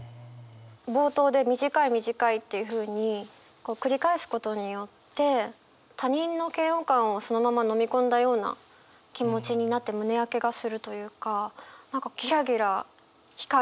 冒頭で「短い短い」っていうふうに繰り返すことによって他人の嫌悪感をそのまま飲み込んだような気持ちになって胸焼けがするというか。